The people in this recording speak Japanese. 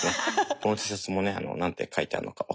このＴシャツもね何て書いてあるのか分かってないですし。